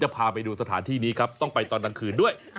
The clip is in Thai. พาไปดูสถานที่นี้ครับต้องไปตอนกลางคืนด้วย